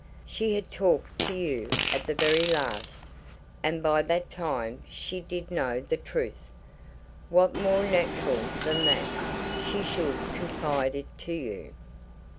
She had talked to you, at the very last; and by that time she did know the truth. What more natural than that she should confide it to you?